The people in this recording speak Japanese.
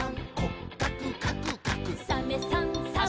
「サメさんサバさん」